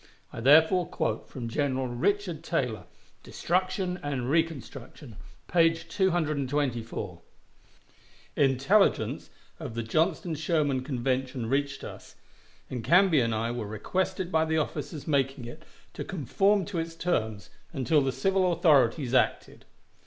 I therefore quote from General Richard Taylor, "Destruction and Reconstruction," page 224: "Intelligence of the Johnston Sherman convention reached us, and Canby and I were requested by the officers making it to conform to its terms until the civil authorities acted."